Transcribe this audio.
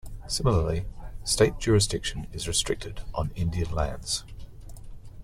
Similarly, State jurisdiction is restricted on Indian lands.